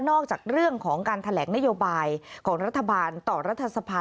อกจากเรื่องของการแถลงนโยบายของรัฐบาลต่อรัฐสภา